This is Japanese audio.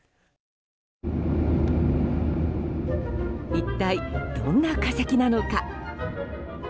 一体どんな化石なのか。